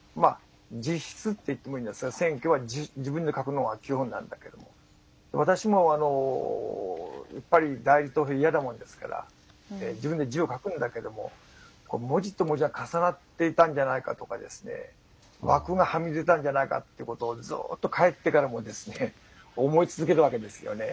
自筆って言ってもいいんですが選挙は自分で書くのが基本なんだけども私もやっぱり代理投票は嫌なものですから自分で字を書くんだけれども文字と文字が重なっていたんじゃないかとか枠がはみ出たんじゃないかということをずっと帰ってからも思い続けるわけですよね。